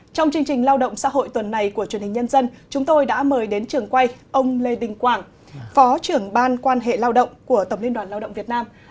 trong chương trình lao động xã hội tuần này của truyền hình nhân dân chúng tôi đã mời đến trường quay ông lê đình quảng phó trưởng ban quan hệ lao động của tổng liên đoàn lao động việt nam